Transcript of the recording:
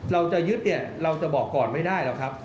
เราจะยึดเราจะบอกก่อนไม่ได้